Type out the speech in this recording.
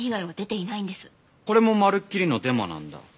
これもまるっきりのデマなんだ。